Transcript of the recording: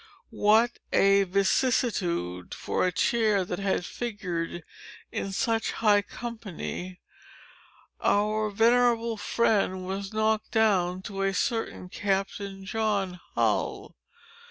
what a vicissitude for a chair that had figured in such high company, our venerable friend was knocked down to a certain Captain John Hull.